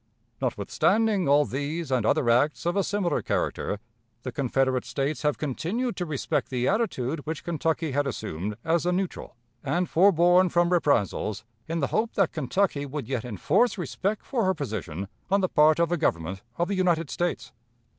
Notwithstanding all these and other acts of a similar character, the Confederate States have continued to respect the attitude which Kentucky had assumed as a neutral, and forborne from reprisals, in the hope that Kentucky would yet enforce respect for her position on the part of the Government of the United States.